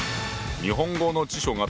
日本語の辞書があった。